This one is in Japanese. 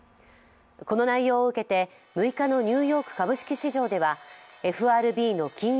この内容を受けて６日のニューヨーク株式市場ではＦＲＢの金融